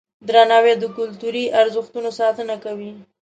درناوی د کلتوري ارزښتونو ساتنه کوي.